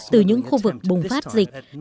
từ những khu vực bùng phát dịch